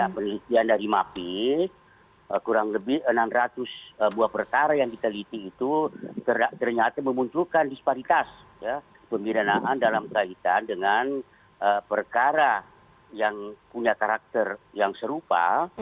penelitian dari mapi kurang lebih enam ratus buah perkara yang diteliti itu ternyata memunculkan disparitas pemidanaan dalam kaitan dengan perkara yang punya karakter yang serupa